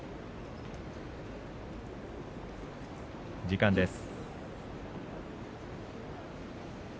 時間です。